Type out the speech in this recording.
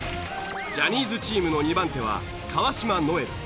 ジャニーズチームの２番手は川島如恵